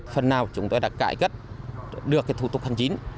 phần nào chúng tôi đã cải cất đưa thủ tục hành chính